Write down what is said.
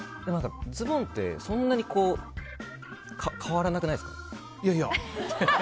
ズボンってそんなに変わらなくないですか？